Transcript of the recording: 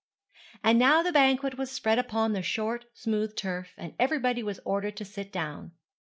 And now the banquet was spread upon the short smooth turf, and everybody was ordered to sit down.